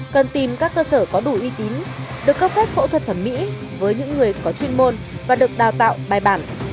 cần tìm các cơ sở có đủ uy tín được cấp phép phẫu thuật thẩm mỹ với những người có chuyên môn và được đào tạo bài bản